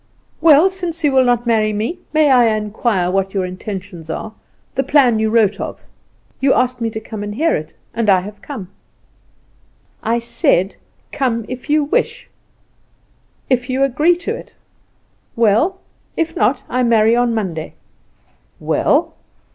"Well, since you will not marry me, may I inquire what your intentions are, the plan you wrote of. You asked me to come and hear it, and I have come." "I said, 'Come if you wish.' If you agree to it, well; if not, I marry on Monday." "Well?"